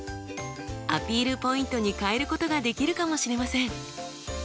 アピールポイントに変えることができるかもしれません。